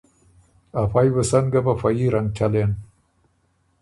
ا فئ بُو سن ګه په فه يي رنګ چلېن۔